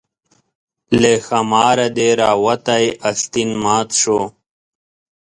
له ښاماره دې راوتى استين مات شو